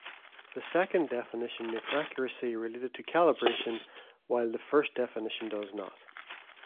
The second definition makes accuracy related to calibration, while the first definition does not.